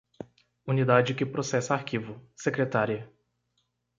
Unidade que processa arquivo: secretária.